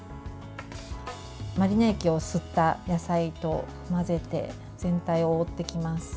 マリネ液を吸った野菜と混ぜて全体を覆っていきます。